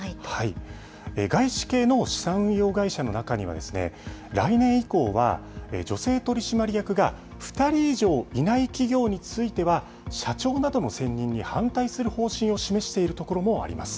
外資系の資産運用会社の中には、来年以降は、女性取締役が２人以上いない企業については、社長などの選任に反対する方針を示しているところもあります。